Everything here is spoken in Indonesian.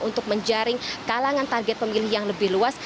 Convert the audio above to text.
untuk menjaring kalangan target pemilih yang lebih luas